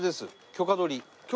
許可取り。